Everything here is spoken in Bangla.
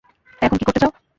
এখন কি করতে চাও?